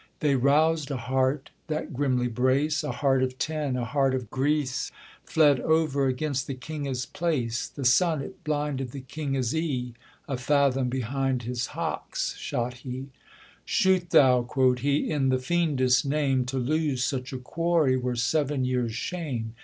They roused a hart, that grimly brace, A hart of ten, a hart of grease, Fled over against the kinges place. The sun it blinded the kinges ee, A fathom behind his hocks shot he: 'Shoot thou,' quod he, 'in the fiendes name, To lose such a quarry were seven years' shame.'